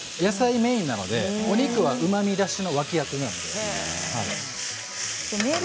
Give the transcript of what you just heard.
野菜メインなのでお肉はうまみ出しの脇役なので。